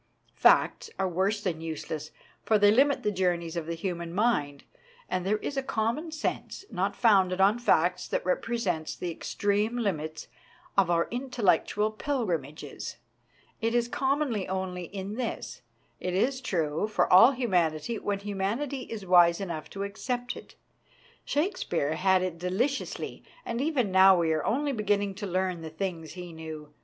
Facts are worse than useless, for they limit the journeys of the human mind ; but there is a common sense not founded on facts that represents the extreme limits of our intel lectual pilgrimages. It is common only in this : it is true for all humanity when humanity is wise enough to accept it. Shakespeare had it deliciously, and even now we are only beginning to learn the things he knew.